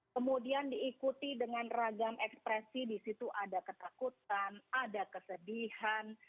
kemudian diikuti dengan ragam ekspresi di situ ada ketakutan ada kesedihan